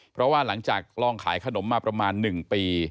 เพราะว่าหลังจากลองขายขนมมาประมาณ๑ปี